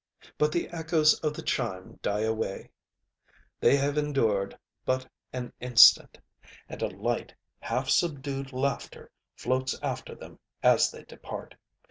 But the echoes of the chime die awayŌĆöthey have endured but an instantŌĆöand a light, half subdued laughter floats after them as they depart.